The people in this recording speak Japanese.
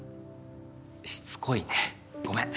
しつこいねごめん。